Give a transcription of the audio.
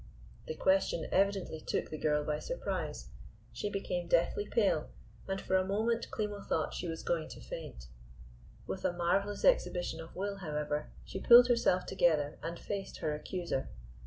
The question evidently took the girl by surprise. She became deathly pale, and for a moment Klimo thought she was going to faint. With a marvelous exhibition of will, however, she pulled herself together and faced her accuser.